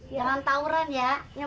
jangan tauran ya